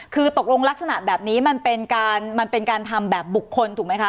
คือตกลงลักษณะแบบนี้มันเป็นการมันเป็นการทำแบบบุคคลถูกไหมคะ